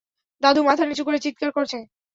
দাদু মাথা নিচু করে চিৎকার করছে।